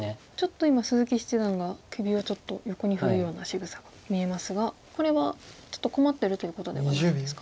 今鈴木七段が首をちょっと横に振るようなしぐさが見えますがこれはちょっと困ってるということではないんですか？